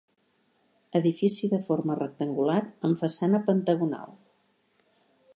Edifici de forma rectangular amb façana pentagonal.